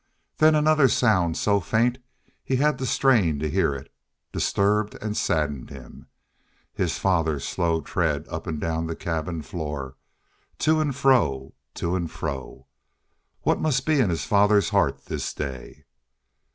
Then another sound, so faint he had to strain to hear it, disturbed and saddened him his father's slow tread up and down the cabin floor, to and fro, to and fro. What must be in his father's heart this day!